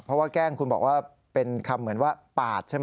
เพราะว่าแกล้งคุณบอกว่าเป็นคำเหมือนว่าปาดใช่ไหม